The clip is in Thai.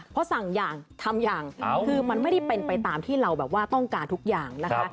เพราะสั่งอย่างทำอย่างคือมันไม่ได้เป็นไปตามที่เราแบบว่าต้องการทุกอย่างนะคะ